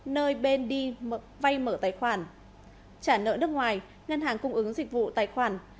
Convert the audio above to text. nơi bên đi vay mở tài khoản trả nợ nước ngoài ngân hàng cung ứng dịch vụ tài khoản